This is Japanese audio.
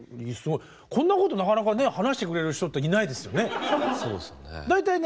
こんなことなかなかね話してくれる人っていないですよね。